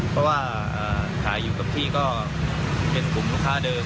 เพราะว่าขายอยู่กับที่ก็เป็นกลุ่มลูกค้าเดิม